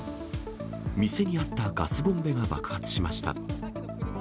店にあったガスボンベが爆発しました。